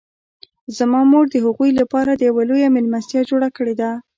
زما مور د هغوی لپاره یوه لویه میلمستیا جوړه کړې ده